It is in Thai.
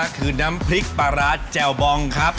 คือน้ำพริกปลาร้าแจ่วบองครับ